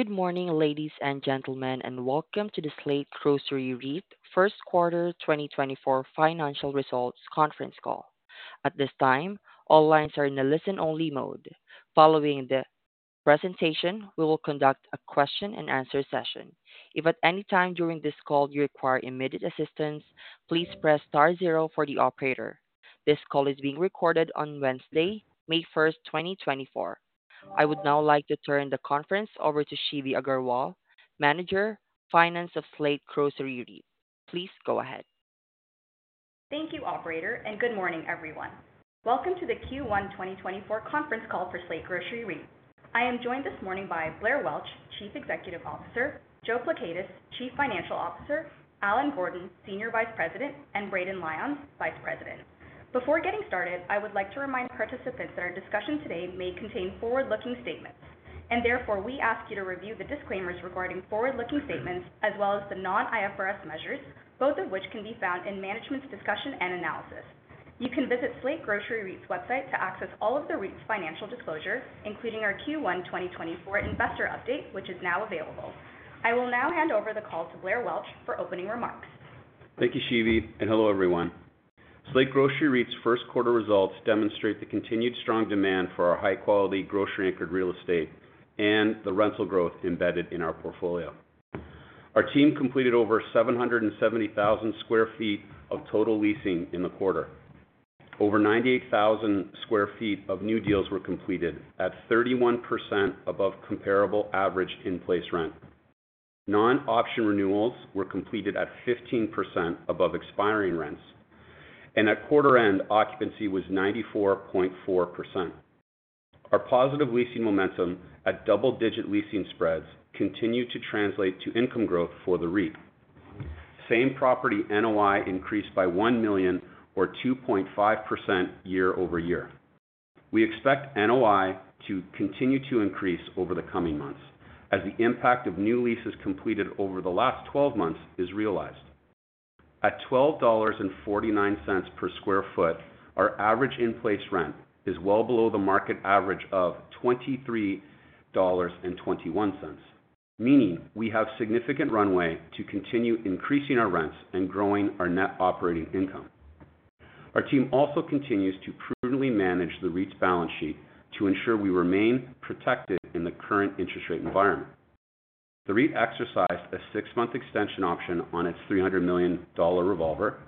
Good morning, ladies and gentlemen, and welcome to the Slate Grocery REIT First Quarter 2024 financial results conference call. At this time, all lines are in a listen-only mode. Following the presentation, we will conduct a question-and-answer session. If at any time during this call you require immediate assistance, please press star zero for the operator. This call is being recorded on Wednesday, May 1, 2024. I would now like to turn the conference over to Shivi Aggarwal, Manager, Finance of Slate Grocery REIT. Please go ahead. Thank you, operator, and good morning, everyone. Welcome to the Q1 2024 conference call for Slate Grocery REIT. I am joined this morning by Blair Welch, Chief Executive Officer, Joe Pleckaitis, Chief Financial Officer, Allen Gordon, Senior Vice President, and Braden Lyons, Vice President. Before getting started, I would like to remind participants that our discussion today may contain forward-looking statements, and therefore we ask you to review the disclaimers regarding forward-looking statements as well as the non-IFRS measures, both of which can be found in management's discussion and analysis. You can visit Slate Grocery REIT's website to access all of the REIT's financial disclosure, including our Q1 2024 investor update, which is now available. I will now hand over the call to Blair Welch for opening remarks. Thank you, Shivi, and hello, everyone. Slate Grocery REIT's first quarter results demonstrate the continued strong demand for our high-quality, grocery-anchored real estate and the rental growth embedded in our portfolio. Our team completed over 770,000 sq ft of total leasing in the quarter. Over 98,000 sq ft of new deals were completed at 31% above comparable average in-place rent. Non-option renewals were completed at 15% above expiring rents, and at quarter end, occupancy was 94.4%. Our positive leasing momentum at double-digit leasing spreads continue to translate to income growth for the REIT. Same property NOI increased by $1 million or 2.5% year-over-year. We expect NOI to continue to increase over the coming months, as the impact of new leases completed over the last 12 months is realized. At $12.49 per sq ft, our average in-place rent is well below the market average of $23.21, meaning we have significant runway to continue increasing our rents and growing our net operating income. Our team also continues to prudently manage the REIT's balance sheet to ensure we remain protected in the current interest rate environment. The REIT exercised a 6-month extension option on its $300 million revolver,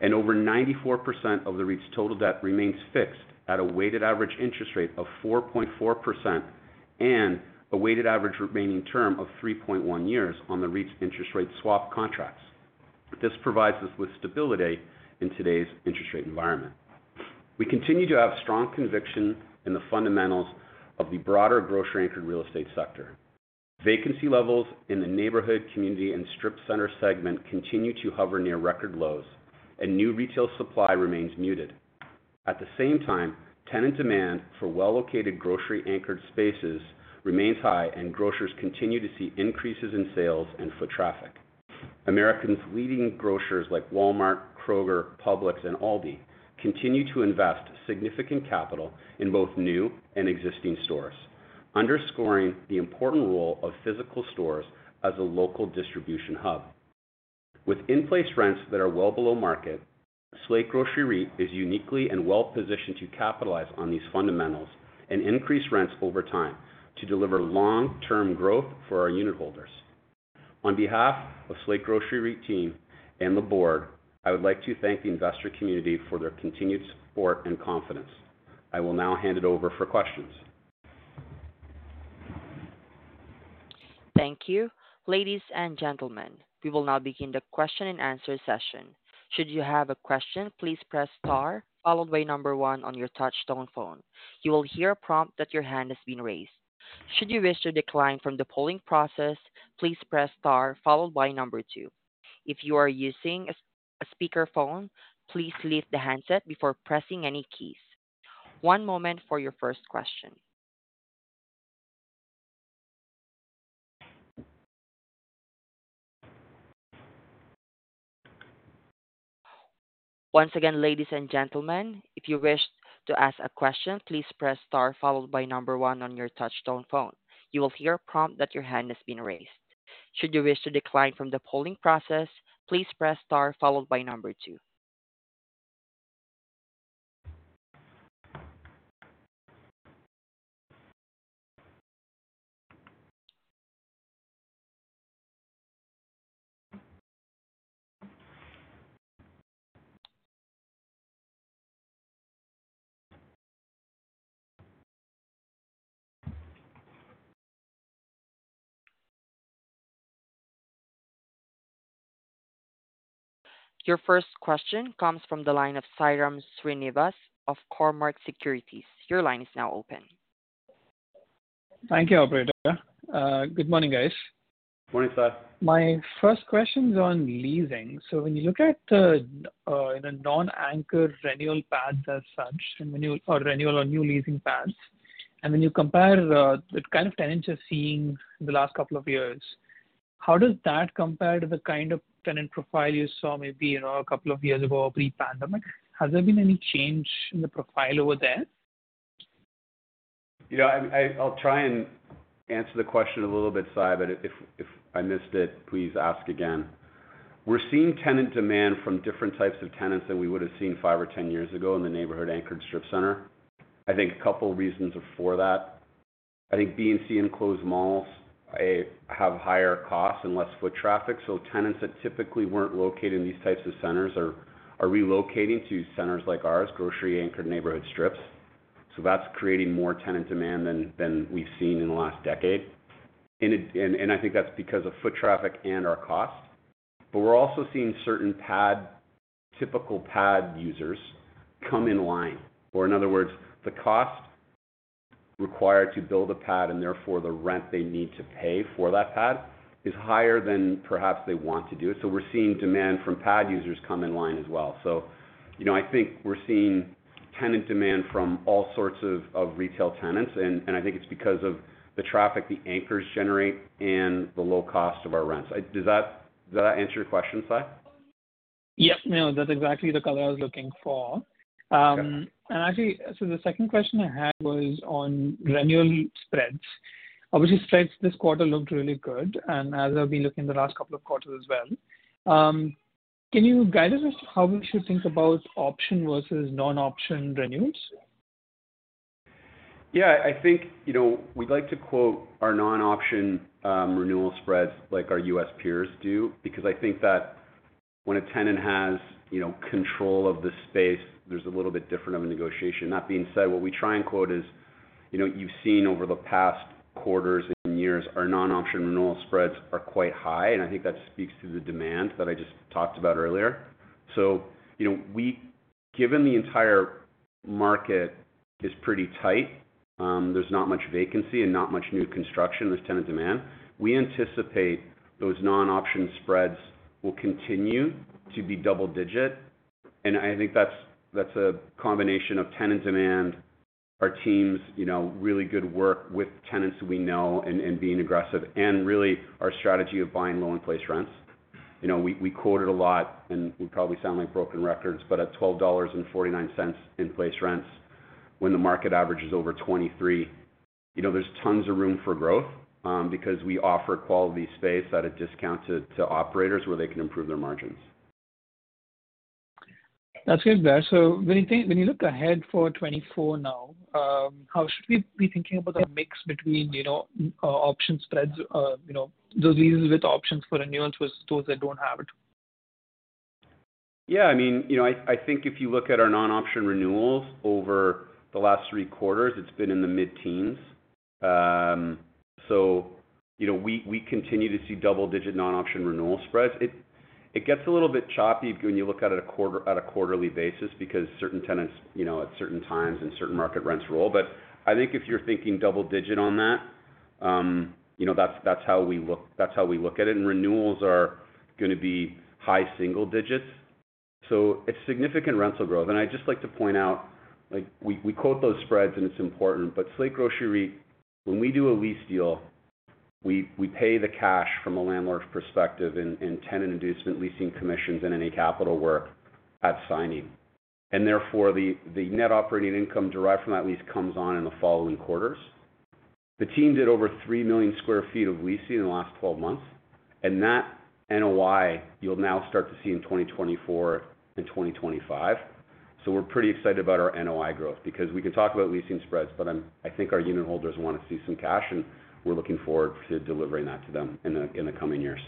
and over 94% of the REIT's total debt remains fixed at a weighted average interest rate of 4.4% and a weighted average remaining term of 3.1 years on the REIT's interest rate swap contracts. This provides us with stability in today's interest rate environment. We continue to have strong conviction in the fundamentals of the broader grocery-anchored real estate sector. Vacancy levels in the neighborhood, community, and strip center segment continue to hover near record lows, and new retail supply remains muted. At the same time, tenant demand for well-located grocery-anchored spaces remains high, and grocers continue to see increases in sales and foot traffic. America's leading grocers like Walmart, Kroger, Publix, and ALDI continue to invest significant capital in both new and existing stores, underscoring the important role of physical stores as a local distribution hub. With in-place rents that are well below market, Slate Grocery REIT is uniquely and well positioned to capitalize on these fundamentals and increase rents over time to deliver long-term growth for our unitholders. On behalf of Slate Grocery REIT team and the board, I would like to thank the investor community for their continued support and confidence. I will now hand it over for questions. Thank you. Ladies and gentlemen, we will now begin the question-and-answer session. Should you have a question, please press star followed by number one on your touchtone phone. You will hear a prompt that your hand has been raised. Should you wish to decline from the polling process, please press star followed by number two. If you are using a speakerphone, please lift the handset before pressing any keys. One moment for your first question. Once again, ladies and gentlemen, if you wish to ask a question, please press star followed by number one on your touchtone phone. You will hear a prompt that your hand has been raised. Should you wish to decline from the polling process, please press star followed by number two. Your first question comes from the line of Sairam Srinivas of Cormark Securities. Your line is now open. Thank you, operator. Good morning, guys. Morning, sir. My first question is on leasing. So when you look at the non-anchor renewal path as such, or renewal or new leasing paths, and when you compare the kind of tenants you're seeing in the last couple of years. How does that compare to the kind of tenant profile you saw maybe, you know, a couple of years ago pre-pandemic? Has there been any change in the profile over there? You know, I'll try and answer the question a little bit, Sai, but if I missed it, please ask again. We're seeing tenant demand from different types of tenants than we would've seen five or 10 years ago in the neighborhood anchored strip center. I think a couple reasons are for that. I think B and C enclosed malls have higher costs and less foot traffic, so tenants that typically weren't located in these types of centers are relocating to centers like ours, grocery anchored neighborhood strips. So that's creating more tenant demand than we've seen in the last decade. And I think that's because of foot traffic and our cost. But we're also seeing certain pad, typical pad users come in line. Or in other words, the cost required to build a pad, and therefore the rent they need to pay for that pad, is higher than perhaps they want to do. So we're seeing demand from pad users come in line as well. So, you know, I think we're seeing tenant demand from all sorts of, of retail tenants, and, and I think it's because of the traffic the anchors generate and the low cost of our rents. Does that, does that answer your question, Sai? Yep. No, that's exactly the color I was looking for. And actually, so the second question I had was on renewal spreads. Obviously, spreads this quarter looked really good, and as I've been looking the last couple of quarters as well. Can you guide us as to how we should think about option versus non-option renewals? Yeah, I think, you know, we'd like to quote our non-option renewal spreads like our U.S. peers do, because I think that when a tenant has, you know, control of the space, there's a little bit different of a negotiation. That being said, what we try and quote is, you know, you've seen over the past quarters and years, our non-option renewal spreads are quite high, and I think that speaks to the demand that I just talked about earlier. So, you know, given the entire market is pretty tight, there's not much vacancy and not much new construction, there's tenant demand. We anticipate those non-option spreads will continue to be double digit, and I think that's a combination of tenant demand, our teams, you know, really good work with tenants we know and being aggressive, and really our strategy of buying low in-place rents. You know, we quote it a lot, and we probably sound like broken records, but at $12.49 in-place rents, when the market average is over $23, you know, there's tons of room for growth, because we offer quality space at a discount to operators where they can improve their margins. That's good, Blair. So when you look ahead for 2024 now, how should we be thinking about the mix between, you know, option spreads, you know, those leases with options for renewals versus those that don't have it? Yeah, I mean, you know, I think if you look at our non-option renewals over the last 3 quarters, it's been in the mid-teens. So you know, we continue to see double-digit non-option renewal spreads. It gets a little bit choppy when you look at it on a quarterly basis, because certain tenants, you know, at certain times and certain market rents roll. But I think if you're thinking double-digit on that, you know, that's how we look at it, and renewals are gonna be high single digits. So it's significant rental growth. I'd just like to point out, like, we quote those spreads, and it's important, but Slate Grocery, when we do a lease deal, we pay the cash from a landlord's perspective and tenant inducement leasing commissions and any capital work at signing. Therefore, the net operating income derived from that lease comes on in the following quarters. The team did over 3 million sq ft of leasing in the last 12 months, and that NOI, you'll now start to see in 2024 and 2025. We're pretty excited about our NOI growth, because we can talk about leasing spreads, but I think our unit holders want to see some cash, and we're looking forward to delivering that to them in the coming years.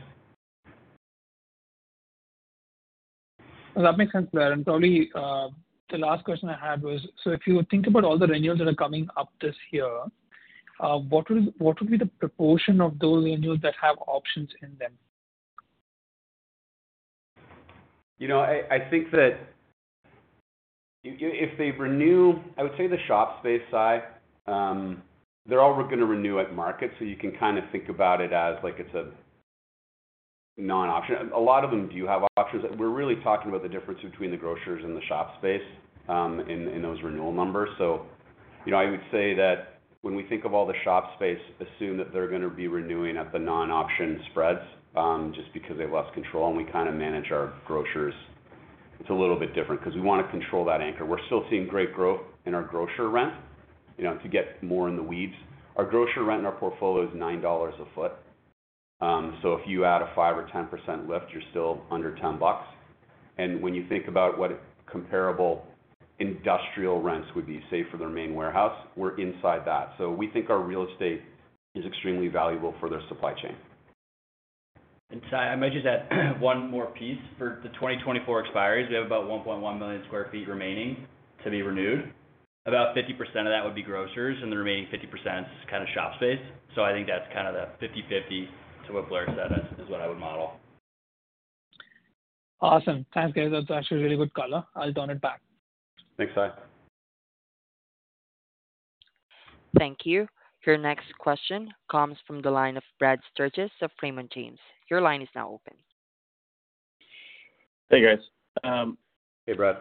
Well, that makes sense, Blair. And probably, the last question I had was: so if you think about all the renewals that are coming up this year, what would be the proportion of those renewals that have options in them? You know, I think that if they renew... I would say the shop space, Sai, they're all gonna renew at market, so you can kind of think about it as like it's a non-option. A lot of them do have options. We're really talking about the difference between the grocers and the shop space, in those renewal numbers. So, you know, I would say that when we think of all the shop space, assume that they're gonna be renewing at the non-option spreads, just because they have less control, and we kind of manage our grocers. It's a little bit different, 'cause we want to control that anchor. We're still seeing great growth in our grocer rent. You know, to get more in the weeds, our grocer rent in our portfolio is $9 a foot. So if you add a 5%-10% lift, you're still under $10. And when you think about what a comparable industrial rents would be, say, for their main warehouse, we're inside that. So we think our real estate is extremely valuable for their supply chain. And Sai, I might just add one more piece. For the 2024 expiries, we have about 1.1 million sq ft remaining to be renewed. About 50% of that would be grocers, and the remaining 50% is kind of shop space. So I think that's kind of the 50/50 to what Blair said, that is what I would model. Awesome. Thanks, guys. That's actually a really good color. I'll turn it back. Thanks, Sai. Thank you. Your next question comes from the line of Brad Sturges of Raymond James. Your line is now open.... Hey, guys. Hey, Brad.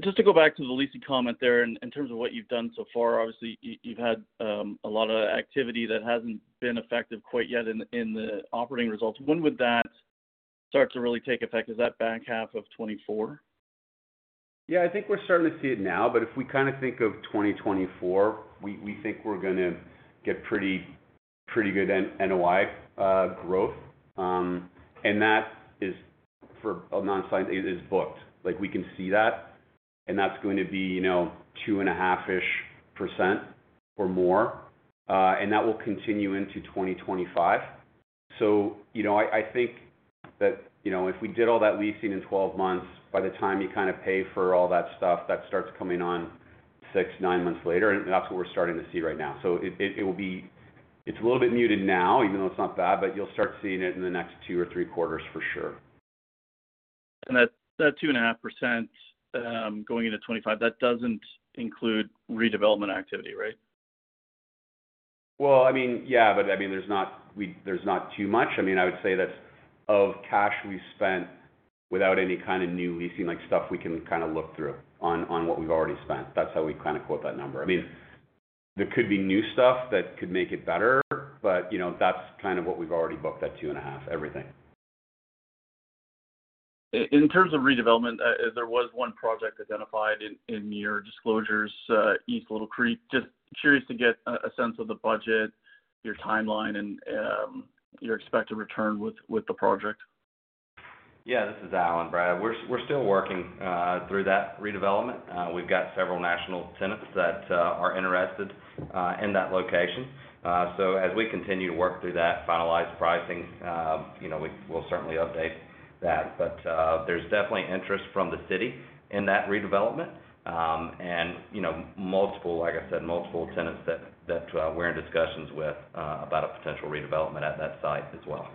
Just to go back to the leasing comment there, in terms of what you've done so far, obviously, you've had a lot of activity that hasn't been effective quite yet in the operating results. When would that start to really take effect? Is that back half of 2024? Yeah, I think we're starting to see it now, but if we kinda think of 2024, we, we think we're gonna get pretty, pretty good NOI growth. And that is for a new signing. It is booked. Like, we can see that, and that's going to be, you know, 2.5%-ish% or more, and that will continue into 2025. So, you know, I, I think that, you know, if we did all that leasing in 12 months, by the time you kind of pay for all that stuff, that starts coming on 6, 9 months later, and that's what we're starting to see right now. So it, it, it will be. It's a little bit muted now, even though it's not bad, but you'll start seeing it in the next 2 or 3 quarters for sure. That 2.5% going into 2025, that doesn't include redevelopment activity, right? Well, I mean, yeah, but I mean, there's not too much. I mean, I would say that of cash we've spent without any kind of new leasing, like, stuff, we can kinda look through on, on what we've already spent. That's how we kinda quote that number. I mean, there could be new stuff that could make it better, but, you know, that's kind of what we've already booked, that 2.5, everything. In terms of redevelopment, there was one project identified in your disclosures, East Little Creek. Just curious to get a sense of the budget, your timeline, and your expected return with the project. Yeah, this is Allen, Brad. We're still working through that redevelopment. We've got several national tenants that are interested in that location. So as we continue to work through that, finalize pricing, you know, we will certainly update that. But there's definitely interest from the city in that redevelopment, and, you know, multiple, like I said, multiple tenants that we're in discussions with about a potential redevelopment at that site as well.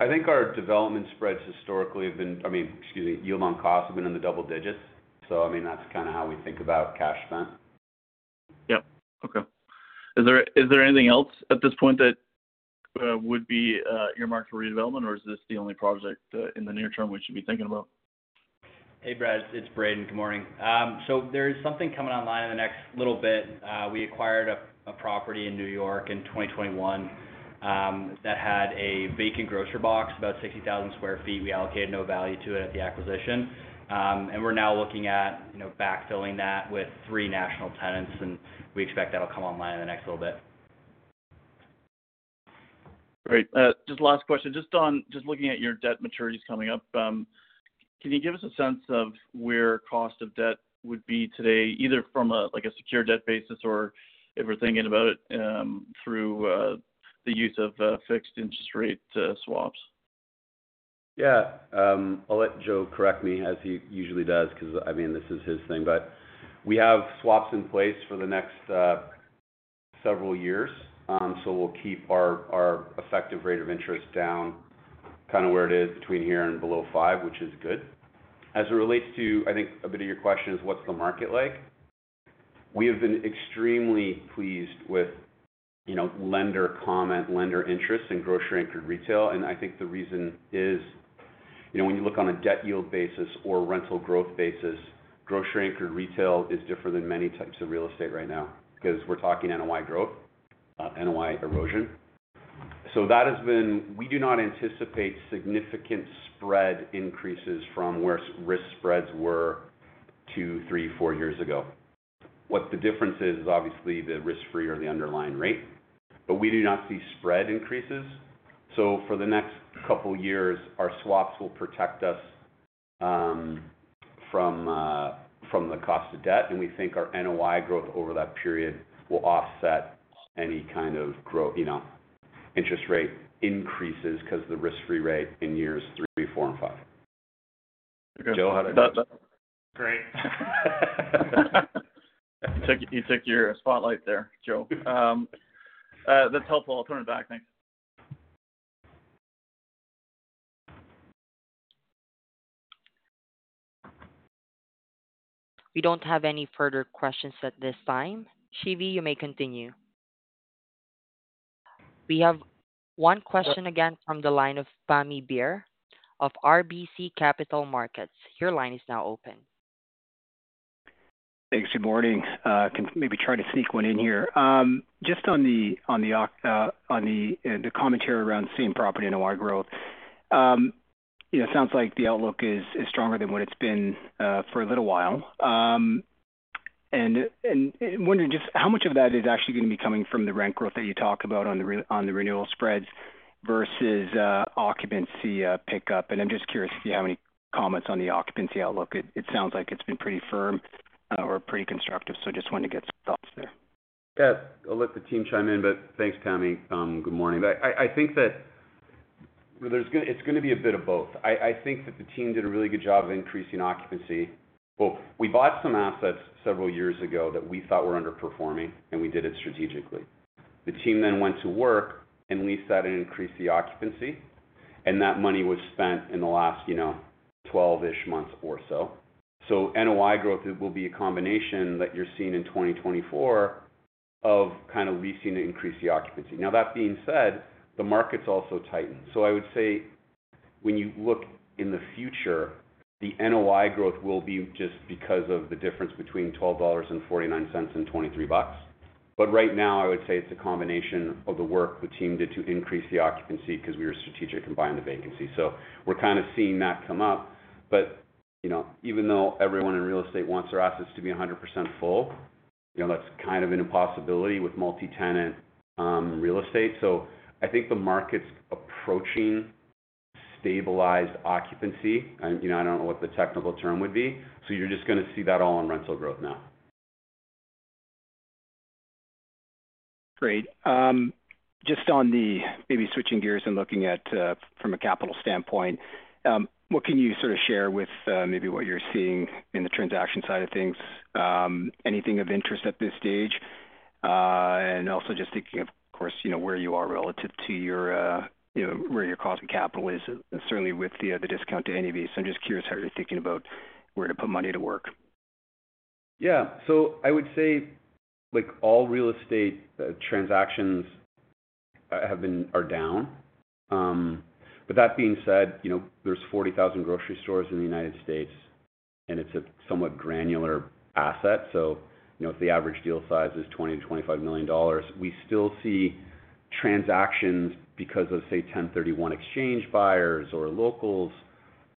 I think our development spreads historically have been, I mean, excuse me, yield on costs have been in the double digits. So I mean, that's kind of how we think about cash spend. Yep. Okay. Is there anything else at this point that would be earmarked for redevelopment, or is this the only project in the near term we should be thinking about? Hey, Brad, it's Braden. Good morning. So there is something coming online in the next little bit. We acquired a property in New York in 2021 that had a vacant grocery box, about 60,000 sq ft. We allocated no value to it at the acquisition. And we're now looking at, you know, backfilling that with three national tenants, and we expect that'll come online in the next little bit. Great. Just last question. Just on just looking at your debt maturities coming up, can you give us a sense of where cost of debt would be today, either from a, like, a secure debt basis, or if we're thinking about it, through the use of fixed interest rate swaps? Yeah. I'll let Joe correct me, as he usually does, 'cause, I mean, this is his thing. But we have swaps in place for the next several years. So we'll keep our effective rate of interest down, kinda where it is, between here and below 5, which is good. As it relates to, I think a bit of your question is, what's the market like? We have been extremely pleased with, you know, lender comment, lender interest in grocery-anchored retail, and I think the reason is, you know, when you look on a debt yield basis or rental growth basis, grocery-anchored retail is different than many types of real estate right now, 'cause we're talking NOI growth, NOI erosion. So that has been. We do not anticipate significant spread increases from where spreads were 2, 3, 4 years ago. What the difference is, is obviously the risk-free or the underlying rate, but we do not see spread increases. So for the next couple of years, our swaps will protect us from the cost of debt, and we think our NOI growth over that period will offset any kind of growth, you know, interest rate increases, 'cause the risk-free rate in years three, four, and five. Okay. Joe, how about that? Great. He took your spotlight there, Joe. That's helpful. I'll turn it back. Thanks. We don't have any further questions at this time. Shivi, you may continue. We have one question again from the line of Pammi Bir of RBC Capital Markets. Your line is now open. Thanks. Good morning. Can maybe try to sneak one in here? Just on the commentary around same property NOI growth. You know, it sounds like the outlook is stronger than what it's been for a little while. And wondering just how much of that is actually gonna be coming from the rent growth that you talked about on the renewal spreads versus occupancy pickup? And I'm just curious to see how many comments on the occupancy outlook. It sounds like it's been pretty firm or pretty constructive, so just wanted to get some thoughts there. Yeah. I'll let the team chime in, but thanks, Pammi. Good morning. But I think that there's gonna be a bit of both. I think that the team did a really good job of increasing occupancy. Well, we bought some assets several years ago that we thought were underperforming, and we did it strategically. The team then went to work and leased that and increased the occupancy, and that money was spent in the last, you know, 12-ish months or so. So NOI growth, it will be a combination that you're seeing in 2024 of kind of leasing to increase the occupancy. Now, that being said, the market's also tightened. So I would say when you look in the future, the NOI growth will be just because of the difference between $12.49 and $23. But right now, I would say it's a combination of the work the team did to increase the occupancy, 'cause we were strategic in buying the vacancy. So we're kind of seeing that come up. But, you know, even though everyone in real estate wants their assets to be 100% full, you know, that's kind of an impossibility with multi-tenant real estate. So I think the market's approaching stabilized occupancy. And, you know, I don't know what the technical term would be, so you're just gonna see that all in rental growth now. Great. Just on the, maybe switching gears and looking at, from a capital standpoint, what can you sort of share with, maybe what you're seeing in the transaction side of things? Anything of interest at this stage? And also just thinking, of course, you know, where you are relative to your, you know, where your cost of capital is, certainly with the, the discount to NAV. So I'm just curious how you're thinking about where to put money to work. Yeah. So I would say, like all real estate transactions have been--are down. But that being said, you know, there's 40,000 grocery stores in the United States, and it's a somewhat granular asset. So, you know, if the average deal size is $20 million-$25 million, we still see transactions because of, say, 1031 exchange buyers or locals,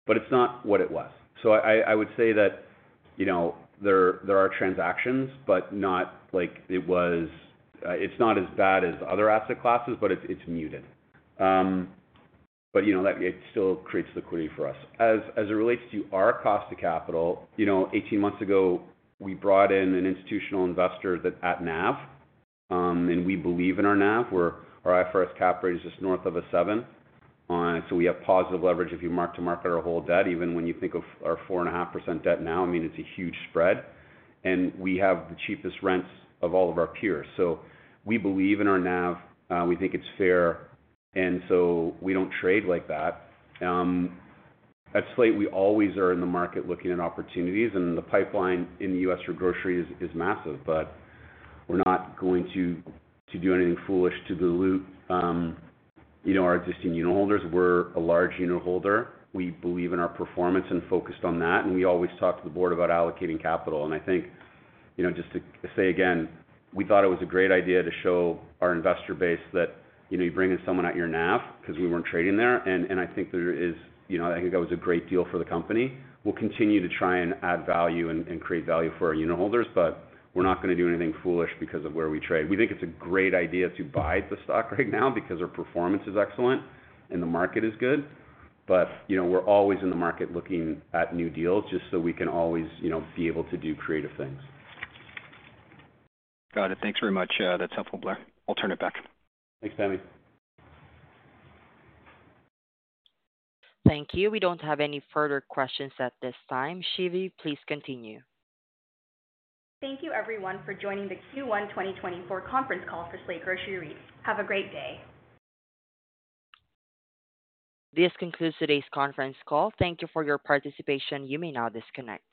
but it's not what it was. So I, I would say that, you know, there, there are transactions, but not like it was--it's not as bad as other asset classes, but it's, it's muted. But, you know, that it still creates liquidity for us. As it relates to our cost of capital, you know, 18 months ago, we brought in an institutional investor that at NAV, and we believe in our NAV, where our IFRS cap rate is just north of 7%. So we have positive leverage if you mark to market our whole debt, even when you think of our 4.5% debt now, I mean, it's a huge spread, and we have the cheapest rents of all of our peers. So we believe in our NAV, we think it's fair, and so we don't trade like that. At Slate, we always are in the market looking at opportunities, and the pipeline in the U.S. for grocery is massive, but we're not going to do anything foolish to dilute, you know, our existing unitholders. We're a large unitholder. We believe in our performance and focused on that, and we always talk to the board about allocating capital. I think, you know, just to say again, we thought it was a great idea to show our investor base that, you know, you're bringing someone at your NAV because we weren't trading there. And I think there is, you know, I think that was a great deal for the company. We'll continue to try and add value and create value for our unitholders, but we're not gonna do anything foolish because of where we trade. We think it's a great idea to buy the stock right now because our performance is excellent and the market is good. You know, we're always in the market looking at new deals just so we can always, you know, be able to do creative things. Got it. Thanks very much, that's helpful, Blair. I'll turn it back. Thanks, Pammi. Thank you. We don't have any further questions at this time. Shivi, please continue. Thank you, everyone, for joining the Q1 2024 conference call for Slate Grocery REIT. Have a great day! This concludes today's conference call. Thank you for your participation. You may now disconnect.